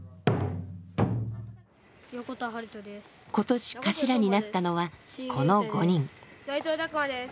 今年頭になったのはこの５人。